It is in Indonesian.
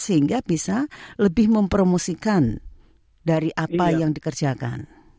sehingga bisa lebih mempromosikan dari apa yang dikerjakan